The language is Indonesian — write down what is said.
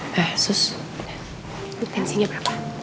nah sus lo tensinya berapa